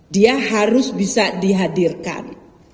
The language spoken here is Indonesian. dia harus bisa dihadirkan